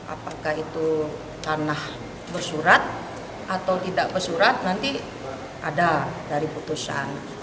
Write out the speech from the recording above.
apakah itu tanah bersurat atau tidak bersurat nanti ada dari putusan